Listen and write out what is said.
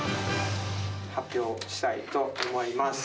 発表したいと思います。